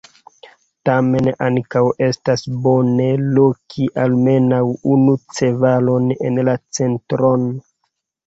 Tamen ankaŭ estas bone loki almenaŭ unu ĉevalon en la centron.